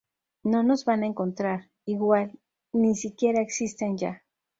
no nos van a encontrar. igual, ni si quiera existen ya.